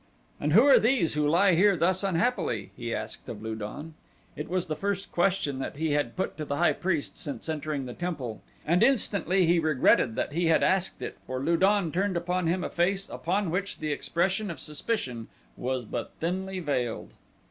"And who are these who lie here thus unhappily?" he asked of Lu don. It was the first question that he had put to the high priest since entering the temple, and instantly he regretted that he had asked it, for Lu don turned upon him a face upon which the expression of suspicion was but thinly veiled.